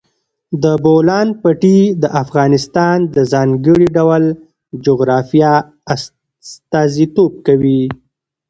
د بولان پټي د افغانستان د ځانګړي ډول جغرافیه استازیتوب کوي.